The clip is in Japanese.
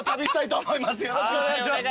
よろしくお願いします。